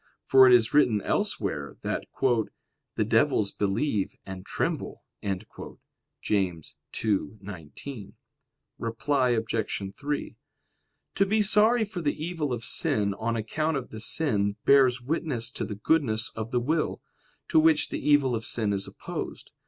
For it is written elsewhere that "the devils believe and tremble" (James 2:19). Reply Obj. 3: To be sorry for the evil of sin on account of the sin bears witness to the goodness of the will, to which the evil of sin is opposed.